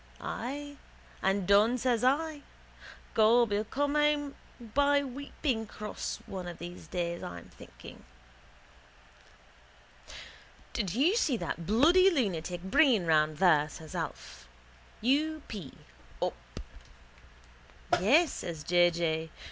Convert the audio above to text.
Ay, and done says I. Gob, he'll come home by weeping cross one of those days, I'm thinking. —Did you see that bloody lunatic Breen round there? says Alf. U. p: up. —Yes, says J. J.